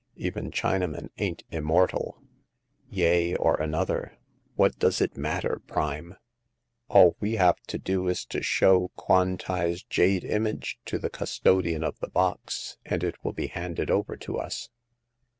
Even Chinamen ain't im mortal." Yeh or another — what does it matter, Prime ? All we have to do is to show Kwan tai's jade image to the custodian of the box, and it will be handed over to us."